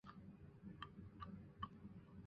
轮叶珍珠茅为莎草科珍珠茅属下的一个种。